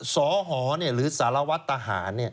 สหหรือสารวัตรทหาร